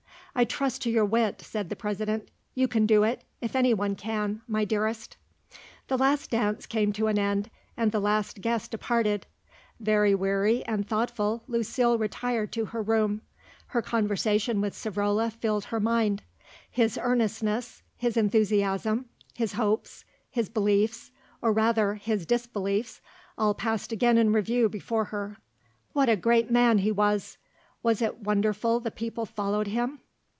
"I trust to your wit," said the President; "you can do it, if anyone can, my dearest." The last dance came to an end and the last guest departed. Very weary and thoughtful Lucile retired to her room. Her conversation with Savrola filled her mind; his earnestness, his enthusiasm, his hopes, his beliefs, or, rather, his disbeliefs, all passed again in review before her. What a great man he was! Was it wonderful the people followed him?